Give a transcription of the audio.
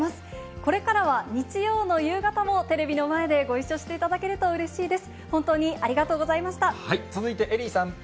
これからは日曜の夕方もテレビの前でご一緒していただけるとうれしいです。